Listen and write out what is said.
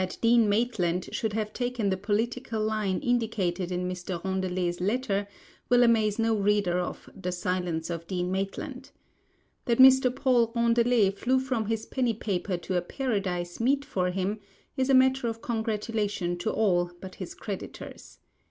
That Dean Maitland should have taken the political line indicated in Mr. Rondelet's letter will amaze no reader of 'The Silence of Dean Maitland.' That Mr. Paul Rondelet flew from his penny paper to a Paradise meet for him is a matter of congratulation to all but his creditors.